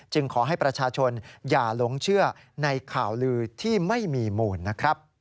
ขอให้ประชาชนอย่าหลงเชื่อในข่าวลือที่ไม่มีมูลนะครับ